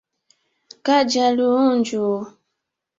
Kaja lyuunju